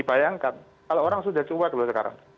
bayangkan kalau orang sudah cuat loh sekarang